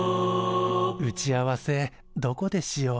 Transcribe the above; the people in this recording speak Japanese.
打ち合わせどこでしよう？